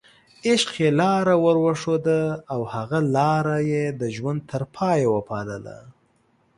عشق یې لاره ورښوده او هغه لاره یې د ژوند تر پایه وپالله.